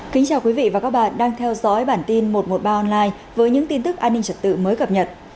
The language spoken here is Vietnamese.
kính chào quý vị và các bạn đang theo dõi bản tin một trăm một mươi ba online với những tin tức an ninh trật tự mới cập nhật